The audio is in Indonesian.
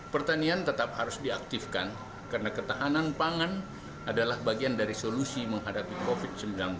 pertanian tetap harus diaktifkan karena ketahanan pangan adalah bagian dari solusi menghadapi covid sembilan belas